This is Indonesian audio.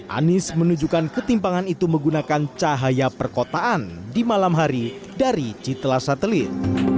anies menunjukkan ketimpangan itu menggunakan cahaya perkotaan di malam hari dari citra satelit